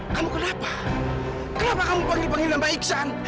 kamu kenapa kenapa kamu panggil banginan mas iksan